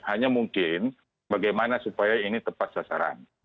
hanya mungkin bagaimana supaya ini tepat sasaran